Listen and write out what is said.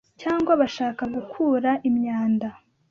cyangwa bashaka gukura imyanda